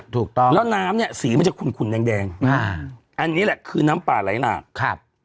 ถูกต้องแล้วน้ำสีมันจะขุนแดงอันนี้แหละคืนน้ำป่าไหลรัก